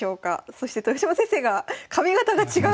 そして豊島先生が髪形が違う！